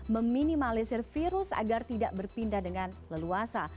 meminimalisir virus agar tidak berpindah dengan leluasa